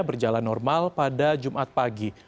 berjalan normal pada jumat pagi